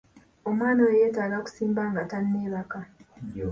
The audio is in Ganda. Omwana oyo yetaaga kusimba nga tanneebaka.